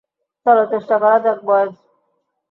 চলো চেষ্টা করা যাক, বয়েজ।